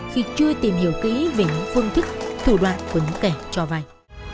khi chưa tìm hiểu kỹ về những phương thức thủ đoạn quấn kẻ cho vai